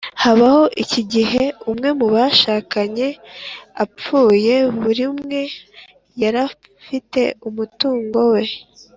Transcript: habaho iki igihe umwe mu bashakanye apfuye, buri umwe yarafite umutungo we?